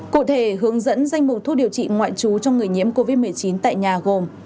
cụ thể hướng dẫn danh mục thuốc điều trị ngoại trú cho người nhiễm covid một mươi chín tại nhà gồm